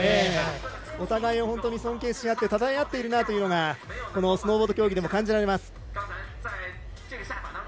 お互いを本当に尊敬し合ってたたえ合っているなというのがスノーボード競技でも感じられます。